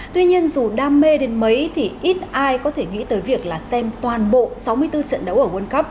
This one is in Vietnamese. tuy nhiên dù đam mê đến mấy thì ít ai có thể nghĩ tới việc là xem toàn bộ sáu mươi bốn trận đấu ở world cup